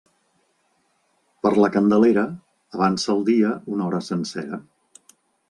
Per la Candelera, avança el dia una hora sencera.